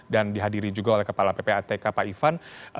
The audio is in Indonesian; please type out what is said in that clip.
dan dihadiri juga oleh kepala ppatk pak ivan